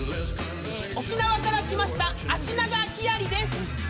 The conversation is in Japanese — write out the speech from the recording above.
沖縄から来ましたアシナガキアリです！